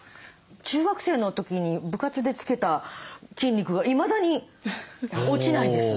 中学生の時に部活で付けた筋肉がいまだに落ちないです。